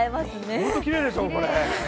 ホントきれいでしょ、これ。